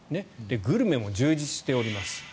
グルメも充実しています。